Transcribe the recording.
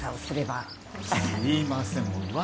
すいません